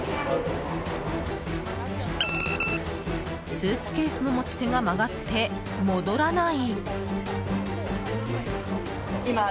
スーツケースの持ち手が曲がって、戻らない。